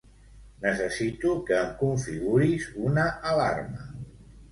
Necessito que em configuris una alarma.